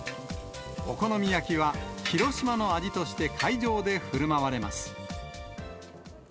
お好み焼きは広島の味として会場でふるまわれます。